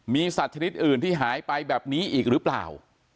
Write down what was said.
มีสัตว์ชนิดอื่นที่หายไปแบบนี้อีกหรือเปล่า